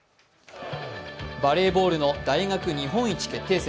バレーボールの大学日本一決定戦。